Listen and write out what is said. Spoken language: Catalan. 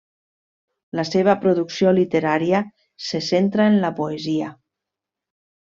La seva producció literària se centra en la poesia.